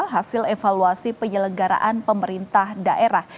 hasil evaluasi penyelenggaraan pemerintah daerah